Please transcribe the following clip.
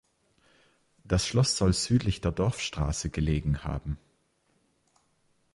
Das Schloss soll südlich der Dorfstraße gelegen haben.